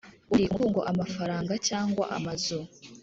Undi umutungo amafaranga cyangwa amazu